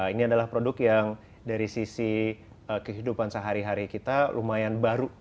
ini adalah produk yang dari sisi kehidupan sehari hari kita lumayan baru